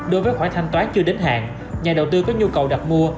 đối với khoản thanh toán chưa đến hàng nhà đầu tư có nhu cầu đặt mua